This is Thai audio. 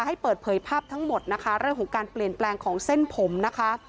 ให้เปิดเผยภาพทั้งหมดนะคะเรื่องของการเปลี่ยนแปลงของเส้นผมนะคะ